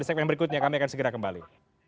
di segmen berikutnya kami akan segera kembali